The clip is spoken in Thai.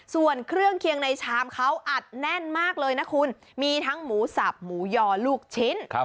ส่วนเครื่องเคียงในชามเขาอัดแน่นมากเลยนะคุณมีทั้งหมูสับหมูยอลูกชิ้น